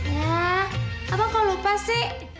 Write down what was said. ya apa kau lupa sih